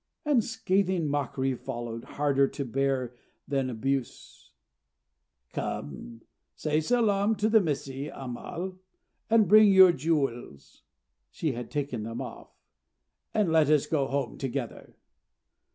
And scathing mockery followed, harder to bear than abuse. "Come! Say salaam to the Missie Ammal, and bring your jewels" (she had taken them off), "and let us go home together."